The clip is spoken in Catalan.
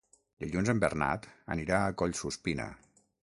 Dilluns en Bernat anirà a Collsuspina.